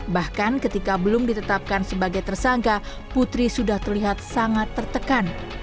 bahkan ketika belum ditetapkan sebagai tersangka putri sudah terlihat sangat tertekan